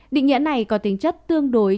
định nghĩa này có tính chất tương đối